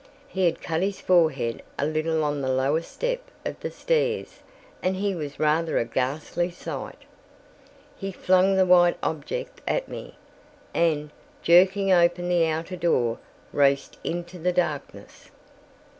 He had cut his forehead a little on the lowest step of the stairs, and he was rather a ghastly sight. He flung the white object at me, and, jerking open the outer door, raced into the darkness.